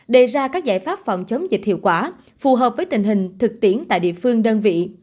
đề ra các giải pháp phòng chống dịch hiệu quả phù hợp với tình hình thực tiễn tại địa phương đơn vị